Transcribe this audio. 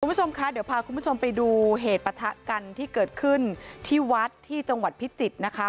คุณผู้ชมคะเดี๋ยวพาคุณผู้ชมไปดูเหตุประทะกันที่เกิดขึ้นที่วัดที่จังหวัดพิจิตรนะคะ